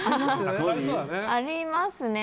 ありますね。